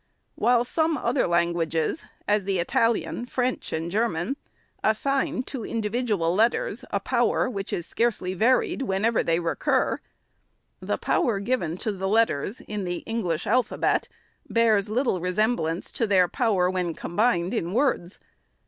While some other languages, as the Italian, French and German, assign to individual letters a power, which is scarcely varied whenever they recur ; the power given to the letters, in the English alphabet, bears little resemblance to their power, when combined in words.